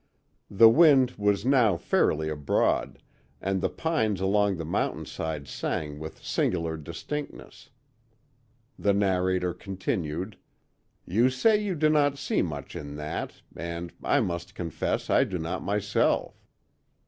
The wind was now fairly abroad, and the pines along the mountainside sang with singular distinctness. The narrator continued: "You say you do not see much in that, and I must confess I do not myself.